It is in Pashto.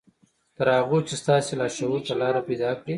تر هغو چې ستاسې لاشعور ته لاره پيدا کړي.